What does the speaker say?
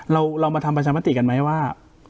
เรามาทำประชามติกันไหมว่า